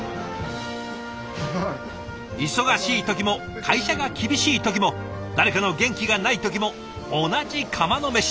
忙しい時も会社が厳しい時も誰かの元気がない時も同じ釜のメシ。